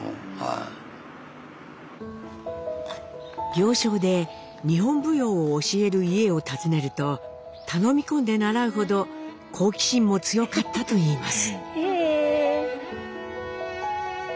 行商で日本舞踊を教える家を訪ねると頼み込んで習うほど好奇心も強かったといいます。